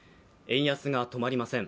円安が止まりません。